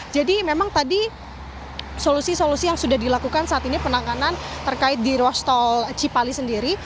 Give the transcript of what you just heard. jadi memang tadi solusi solusi yang sudah dilakukan saat ini penanganan terkait di rostol cipali sendiri